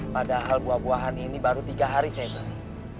padahal buah buahan ini baru tiga hari saya beli